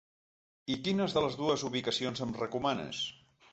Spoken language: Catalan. I quines de les dues ubicacions em recomanes¿.